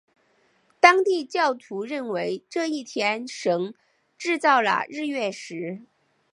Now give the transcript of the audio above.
当地教徒认为这一天神制造了日月食。